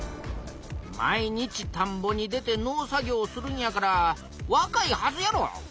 毎日たんぼに出て農作業するんやからわかいはずやろ。